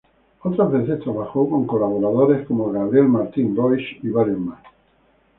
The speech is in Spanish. Otras veces trabajó con colaboradores como Gabriel Martín Roig y varios más.